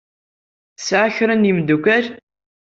Tesɛa kra n yemdukal.